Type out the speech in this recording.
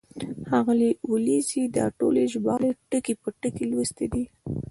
ښاغلي ولیزي دا ټولې ژباړې ټکی په ټکی لوستې دي.